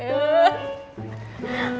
itu dua belas orang